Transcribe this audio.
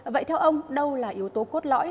vậy theo ông đâu là yếu tố cốt lõi